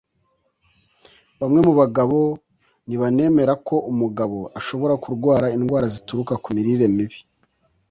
Bamwe mu bagabo ntibanemera ko umugabo ashobora kurwara indwara zituruka ku mirire mibi